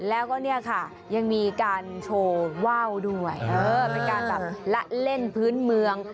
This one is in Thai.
แล้วก็เนี่ยค่ะยังมีการโชว์ว่าวด้วยเป็นการแบบละเล่นพื้นเมือง